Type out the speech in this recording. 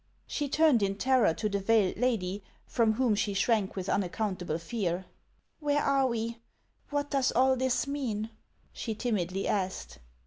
She turned in terror to the veiled lady, from whom she shrank with unaccountable fear. " Where are we ? What does all this mean ?" she timidly asked.